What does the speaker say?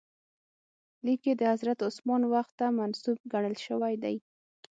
لیک یې د حضرت عثمان وخت ته منسوب ګڼل شوی دی.